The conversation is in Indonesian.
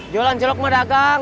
jualan cilok sama dagang